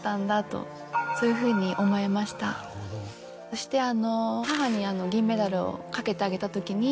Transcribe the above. そして母に銀メダルをかけてあげたときに。